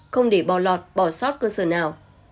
không để bò lọt bỏ sót cơ sở nào